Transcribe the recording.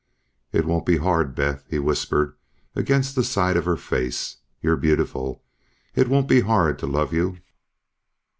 "It won't be hard, Beth," he whispered against the side of her face. "You're beautiful ... it won't be hard to love you..."